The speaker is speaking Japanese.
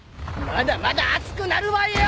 まだまだ熱くなるわよ？